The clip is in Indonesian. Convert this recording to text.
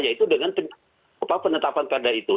yaitu dengan penetapan perda itu